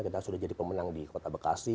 kita sudah jadi pemenang di kota bekasi